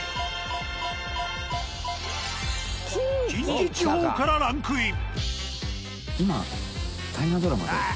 近畿地方からランクイン。